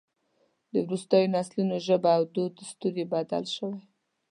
د وروستیو نسلونو ژبه او دود دستور یې بدل شوی.